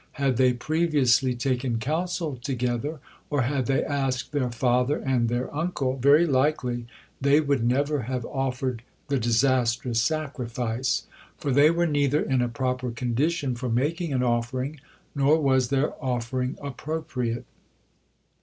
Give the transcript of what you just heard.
Had they previously taken counsel together, or had they asked their father and their uncle, very likely they would never have offered the disastrous sacrifice. For they were neither in a proper condition for making an offering, nor was their offering appropriate.